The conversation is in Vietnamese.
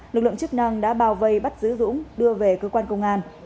lực lượng chức năng đã bao vây bắt giữ dũng đưa về cơ quan công an